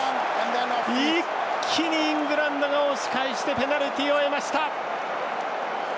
一気にイングランドが押し返してペナルティを得ました。